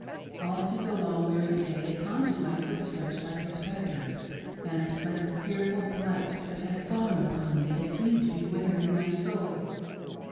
All through the long, weary day it haunted my footsteps like a spectre, and like a fearful blight that had fallen upon me it seemed to be withering my soul.